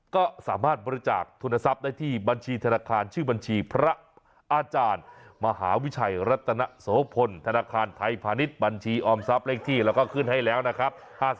ก็สามารถบริจาคทุนทรัพย์ได้ที่บัญชีธนาคารชื่อบัญชีพระอาจารย์มหาวิชัยรัตนโสพลธนาคารไทยพาณิชย์บัญชีออมทรัพย์เลขที่แล้วก็ขึ้นให้แล้วนะครับ